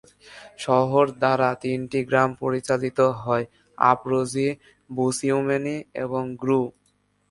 শহর দ্বারা তিনটি গ্রাম পরিচালিত হয়: আপ্রোজি, বুসিউমেনি এবং গ্রুউ।